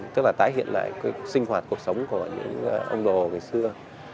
tức là tái hiện lại sinh hoạt cuộc sống của những ông đồ ngày xưa